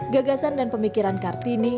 gagasan dan pemikiran kartini